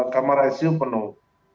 kamar icu penuh